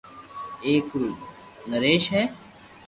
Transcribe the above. ايڪ رو نريݾ ھي